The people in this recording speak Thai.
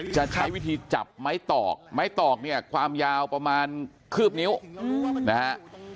จะใช้วิธีจับไม้ตอกไม้ตอกเนี่ยความยาวประมาณคืบนิ้วนะฮะ